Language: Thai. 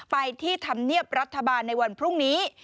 ไปที่ธรรมเนียบรัฐบาลในวันพรุ่งนี้